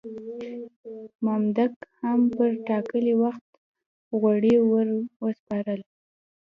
مامدک هم پر ټاکلي وخت غوړي ور وسپارل.